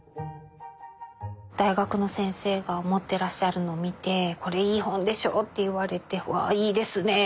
大学の先生が持ってらっしゃるのを見てこれいい本でしょう？って言われてわいいですね